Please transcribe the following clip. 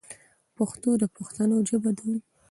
پښتو د پښتنو ژبه دو.